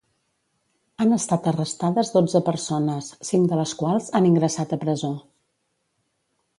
Han estat arrestades dotze persones, cinc de les quals han ingressat a presó.